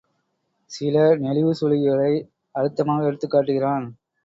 சில நெளிவு சுழிவுகளை அழுத்தமாக எடுத்துக் காட்டுகிறான்.